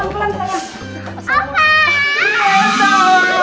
pelan pelan pelan